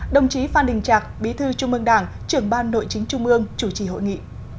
đồng chí phan đình trạc bí thư trung ương đảng trưởng ban nội chính trung ương chủ trì hội nghị